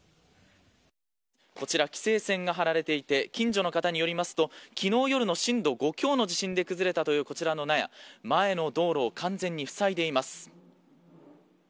こちら、規制線が張られていて近所の方によりますと昨日夜の震度５強の地震で崩れたというこちらの納屋前の道路を完全にふさいでいます。